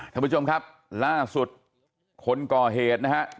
ท่านผู้ชมครับล่าสุดคนก่อเหตุนะฮะ